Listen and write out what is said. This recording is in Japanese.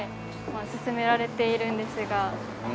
進められているんですが。